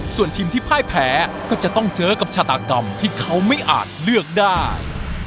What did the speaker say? ส่วนทีมที่พ่ายแพ้ก็จะต้องเจอกับชาตากรรมที่เขาไม่อาจเลือกได้